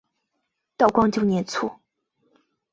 道光九年卒。